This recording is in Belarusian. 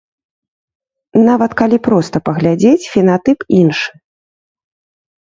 Нават калі проста паглядзець, фенатып іншы.